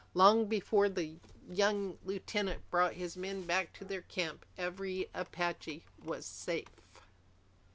Long before the young lieutenant brought his men back to their camp, every Apache was safe.